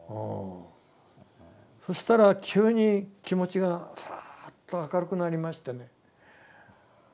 そしたら急に気持ちがサーッと明るくなりましてね。